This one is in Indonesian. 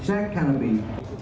saya benar saya benar